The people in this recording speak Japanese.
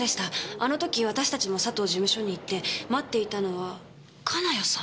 あの時私たちも佐藤事務所に行って待っていたのは金谷さん。